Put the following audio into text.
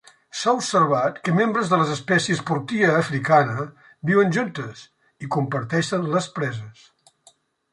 S'ha observat que membres de les espècies "Portia africana" viuen juntes i comparteixen les preses.